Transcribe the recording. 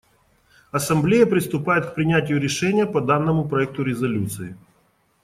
Ассамблея приступает к принятию решения по данному проекту резолюции.